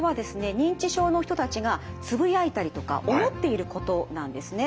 認知症の人たちがつぶやいたりとか思っていることなんですね。